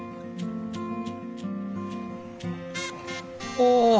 お！